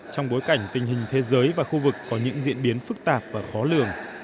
trong bối cảnh tình hình thế giới và khu vực có những diễn biến phức tạp và khó lường